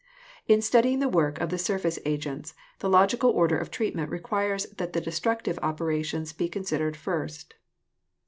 In studying the work of the surface agents, the logical order of treatment requires that the destructive operations be considered first.